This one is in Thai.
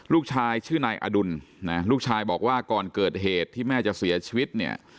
ลูกชายชื่อนายอดุลนะลูกชายบอกว่าก่อนเกิดเหตุที่แม่จะเสียชีวิตเนี่ย